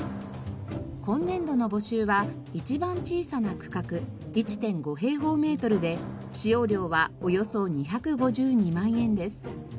今年度の募集は一番小さな区画１．５平方メートルで使用料はおよそ２５２万円です。